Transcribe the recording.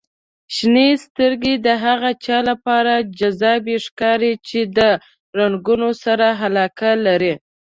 • شنې سترګې د هغه چا لپاره جذابې ښکاري چې د رنګونو سره علاقه لري.